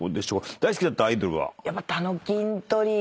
大好きだったアイドルは？